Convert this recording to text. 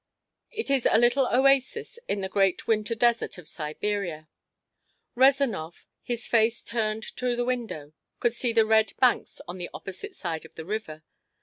It is a little oasis in the great winter desert of Siberia. Rezanov, his face turned to the window, could see the red banks on the opposite side of the river.